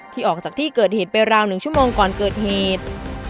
ออกจากที่เกิดเหตุไปราว๑ชั่วโมงก่อนเกิดเหตุ